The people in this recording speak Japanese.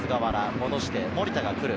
戻して守田が来る。